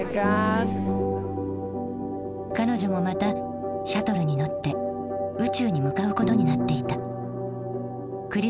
彼女もまたシャトルに乗って宇宙に向かうことになっていた。